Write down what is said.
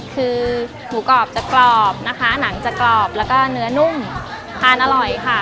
คือหมูกรอบจะกรอบนะคะหนังจะกรอบแล้วก็เนื้อนุ่มทานอร่อยค่ะ